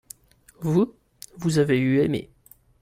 vous, vous avez eu aimé.